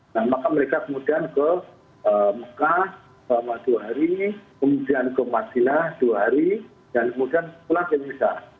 nah maka mereka kemudian ke mekah selama dua hari kemudian ke madinah dua hari dan kemudian pulang ke indonesia